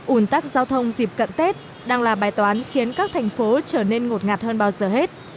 ủn tắc giao thông dịp cận tết đang là bài toán khiến các thành phố trở nên ngột ngạt hơn bao giờ hết